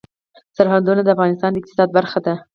سرحدونه د افغانستان د اقتصاد برخه ده.